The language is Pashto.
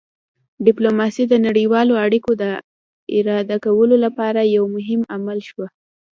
ډیپلوماسي د نړیوالو اړیکو د اداره کولو لپاره یو مهم عامل شوه